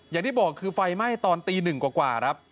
อย่างที่บอกคือไฟไหม้ตอนตีหนึ่งกว่าครับ